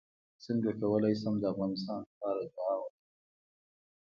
څنګه کولی شم د افغانستان لپاره دعا وکړم